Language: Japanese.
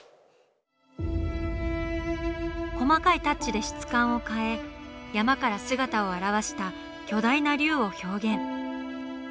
細かいタッチで質感を変え山から姿を現した巨大な龍を表現。